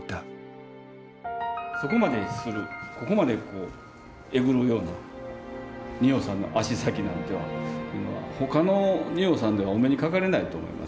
そこまでするここまでえぐるような仁王さんの足先なんていうのは他の仁王さんではお目にかかれないと思いますよきっと。